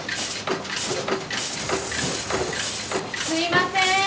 すいません。